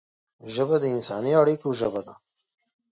ژبه د انساني اړیکو ژبه ده